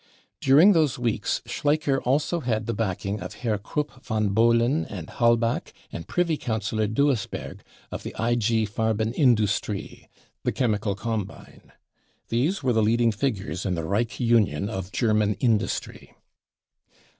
During those weeks Schleicher also had the backing of Herr Krupp von Bohlen and Halbach and Privy Councillor # puisberg of the LG. Farben Industrie, the chemical com bine ; these. were the leading figures in the Reich Union of German industry.